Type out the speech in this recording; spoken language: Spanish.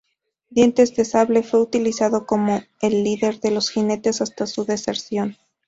Dientes de Sable fue utilizado como el líder de los jinetes hasta su deserción.